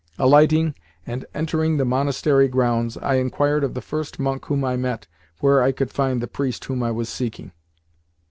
Alighting, and entering the monastery grounds, I inquired of the first monk whom I met where I could find the priest whom I was seeking.